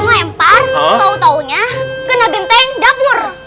lempar tau taunya kena genteng dapur